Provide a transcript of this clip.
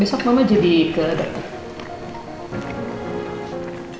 besok mama jadi ke dokter